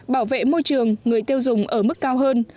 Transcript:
bảo vệ môi trường người tiêu dùng ở mức cao hơn